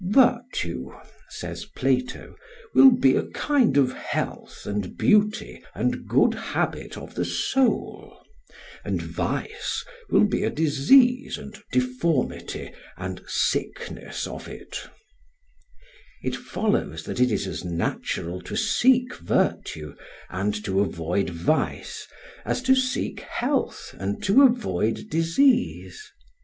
"Virtue," says Plato, "will be a kind of health and beauty and good habit of the soul; and vice will be a disease and deformity and sickness of it." [Footnote: Plato, Rep. 444, Translated by Davies and Vaughan.] It follows that it is as natural to seek virtue and to avoid vice as to seek health and to avoid disease.